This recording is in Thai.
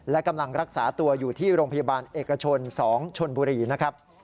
และกำลังรักษาตัวอยู่ที่โรงพยาบาลเอกชน๒ชนบุรีนะครับ